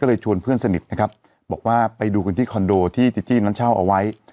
ก็เลยชวนเพื่อนสนิทนะครับบอกว่าไปดูกันที่คอนโดที่จีจี้นั้นเช่าเอาไว้